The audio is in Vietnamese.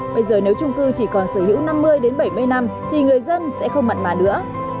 bây giờ nếu trung cư chỉ còn sở hữu năm mươi bảy mươi năm thì người dân sẽ không mặn mà nữa